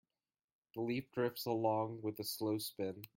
The leaf drifts along with a slow spin.